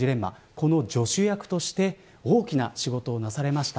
この助手役として大きな仕事をなされました。